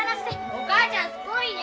お母ちゃんすこいで。